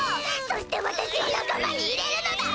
そして私を仲間に入れるのだ！